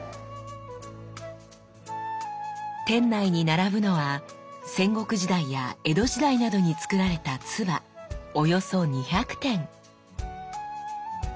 店内に並ぶのは戦国時代や江戸時代などにつくられた鐔およそ２００点。